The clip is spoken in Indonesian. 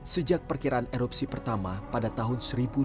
sejak perkiraan erupsi pertama pada tahun seribu delapan ratus delapan belas